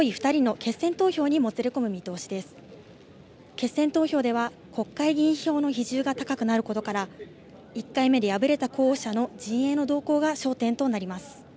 決選投票では国会議員票の比重が高くなることから１回目で敗れた候補者の陣営の動向が焦点となります。